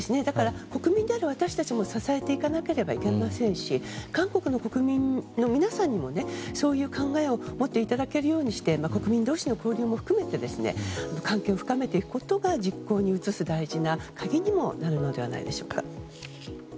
国民である私たちも支えていかなければいけませんし韓国の国民の皆さんにもそういう考えを持っていただけるようにして国民同士の交流も含めて関係を深めていくことが実行に移す大事な鍵になるのではないでしょうか。